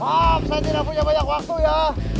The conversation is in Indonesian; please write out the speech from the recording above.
maaf saya tidak punya banyak waktu ya